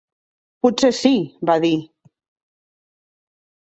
"Potser sí", va dir.